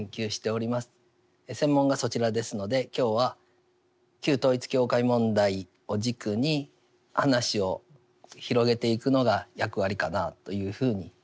専門がそちらですので今日は旧統一教会問題を軸に話を広げていくのが役割かなというふうに思っております。